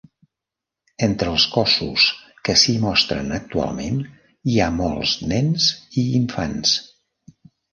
Entre els cossos que s'hi mostren actualment hi ha molts nens i infants.